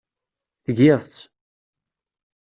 Tgiḍ-tt.